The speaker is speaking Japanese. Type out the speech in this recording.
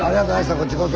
こっちこそ。